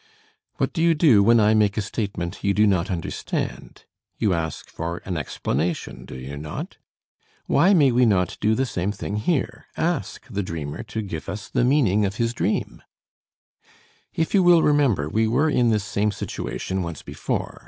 What do you do when I make a statement you do not understand? You ask for an explanation, do you not? Why may we not do the same thing here, ask the dreamer to give us the meaning of his dream? If you will remember, we were in this same situation once before.